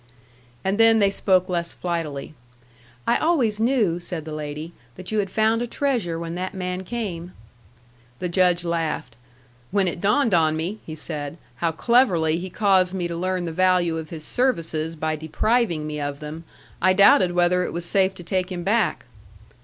And then they spoke less flightily. "I always knew," said the lady, "that you had found a treasure when that man came." The Judge laughed. "When it dawned on me," he said, "how cleverly he caused me to learn the value of his services by depriving me of them, I doubted whether it was safe to take him back."